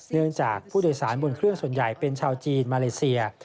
เนื่องจากผู้โดยสารบนเครื่องส่วนใหญ่เป็นชาวจีนมาเลเซีย